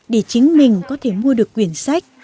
để chính mình có thể mua được quyển sách